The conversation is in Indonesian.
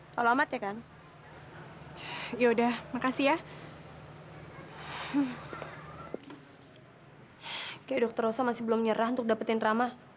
sampai jumpa di video selanjutnya